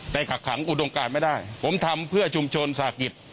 แต่กักขังอุดมการไม่ได้ผมทำเพื่อชุมชนสาหกิจ